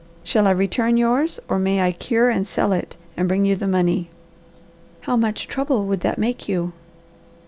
Shall I return yours or may I cure and sell it, and bring you the money?" "How much trouble would that make you?"